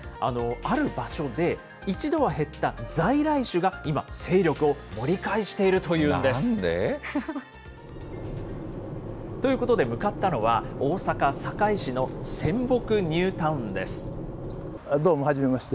ある場所で一度は減った在来種が今、勢力を盛り返しているというなんで？ということで向かったのは、大阪・堺市の泉北ニュータウンでどうもはじめまして。